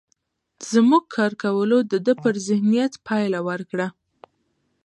زموږ کار کولو د ده پر ذهنيت پايله ورکړه.